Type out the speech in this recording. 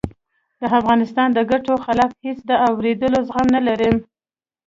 د افغانستان د ګټو خلاف هېڅ د آورېدلو زغم نه لرم